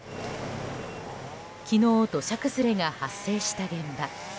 昨日、土砂崩れが発生した現場。